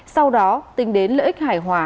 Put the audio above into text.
sau đó tính đến lợi ích hài hòa